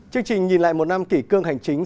chương trình nhìn lại một năm kỷ cương hành chính